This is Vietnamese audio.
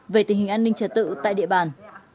về tình hình an ninh trật tự tại địa bàn